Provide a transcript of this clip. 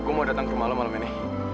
gue mau datang ke rumah lo malam ini